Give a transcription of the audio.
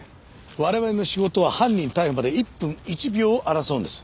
我々の仕事は犯人逮捕まで１分１秒を争うんです。